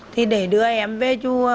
thì để đưa em về